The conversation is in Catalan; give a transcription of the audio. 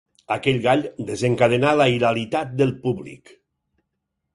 Aquell gall desencadenà la hilaritat del públic.